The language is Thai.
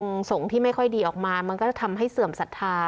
สงฆ์ที่ไม่ค่อยดีออกมามันก็จะทำให้เสื่อมศรัทธา